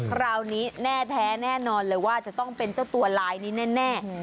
คราวนี้แน่แท้แน่นอนเลยว่าจะต้องเป็นเจ้าตัวลายนี้แน่